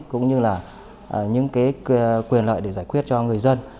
cũng như là những cái quyền lợi để giải quyết cho người dân